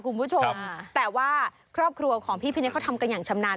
ครอบครัวของพี่พิเนคเขาทำกันอย่างชำนาญ